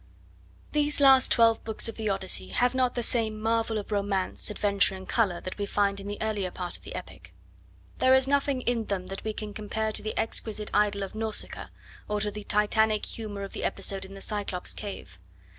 These last twelve books of the Odyssey have not the same marvel of romance, adventure and colour that we find in the earlier part of the epic. There is nothing in them that we can compare to the exquisite idyll of Nausicaa or to the Titanic humour of the episode in the Cyclops' cave.